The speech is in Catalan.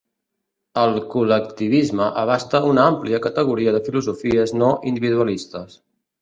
El col·lectivisme abasta una àmplia categoria de filosofies no individualistes.